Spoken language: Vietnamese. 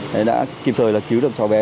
đấy đã kịp thời là cứu được cháu bé